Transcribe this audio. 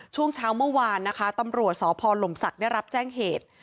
ช่วงเช้าเมื่อวานนะคะตำรวจสพลมศักดิ์ได้รับแจ้งเหตุ